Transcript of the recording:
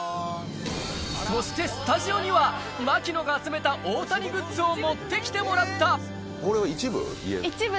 そしてスタジオには牧野が集めた大谷グッズを持って来てもらったこれは一部？